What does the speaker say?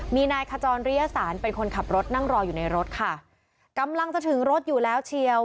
มีนายขจรริยสารเป็นคนขับรถนั่งรออยู่ในรถค่ะกำลังจะถึงรถอยู่แล้วเชียว